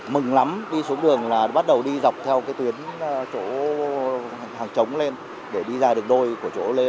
mừng lắm đi xuống đường là bắt đầu đi dọc theo tuyến chỗ hàng chống lên để đi ra đường đôi của chỗ lý thái tổ